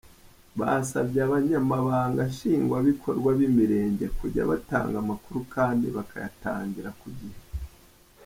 Basabye abanyamabanga nshingwabikorwa b’imerenge kujya batanga amakuru kandi bakayatangira ku gihe.